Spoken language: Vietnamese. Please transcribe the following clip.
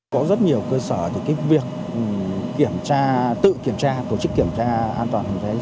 có rất nhiều cơ sở thì việc kiểm tra tự kiểm tra tổ chức kiểm tra an toàn phòng cháy